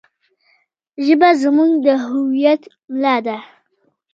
ژبه زموږ د هویت ملا ده.